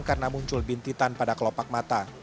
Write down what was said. karena muncul bintitan pada kelopak mata